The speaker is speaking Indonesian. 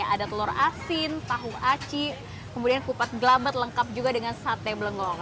ada telur asin tahu aci kemudian kupat gelabet lengkap juga dengan sate blengong